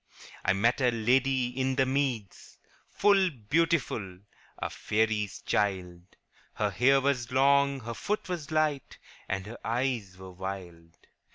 ' I met a lady in the meads Full beautiful, a faery's child; Her hair was long, her foot was light, And her eyes were wild.